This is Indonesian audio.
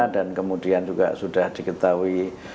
dan kemudian juga sudah diketahui